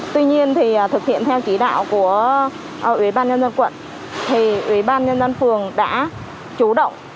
tuy nhiên thì thực hiện theo chỉ đạo của ủy ban nhân dân quận thì ủy ban nhân dân phường đã chủ động